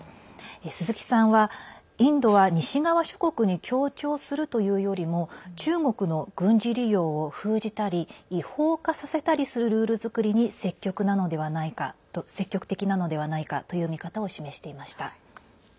鈴木さんはインドは西側諸国に協調するというよりも中国の軍事利用を封じたり違法化させたりするルール作りに積極的なのではないかという見方を示していました。